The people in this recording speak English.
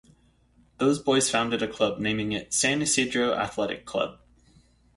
Those boys founded a club naming it "San Isidro Athletic Club".